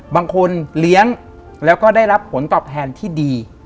บางคนเลี้ยงแล้วก็ได้รับผลตอบแทนที่ดี